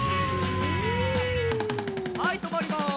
はいとまります。